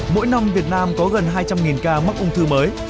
mỗi năm việt nam có gần hai trăm linh ca mắc ung thư mới